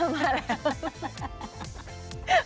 มาแล้วค่ะ